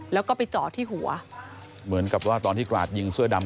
แล้วก็ไปจอดที่หัวเหมือนกับว่าตอนที่กราดยิงเสื้อดำ